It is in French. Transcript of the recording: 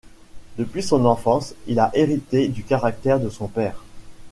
Depuis son enfance, il a hérité du caractère de son père.